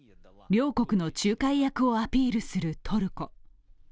両国の仲介役をアピールするトルコ。